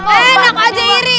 eh enak aja iri